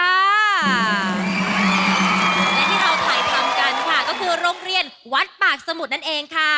และที่เราถ่ายทำกันค่ะก็คือโรงเรียนวัดปากสมุทรนั่นเองค่ะ